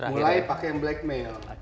mulai pake blackmail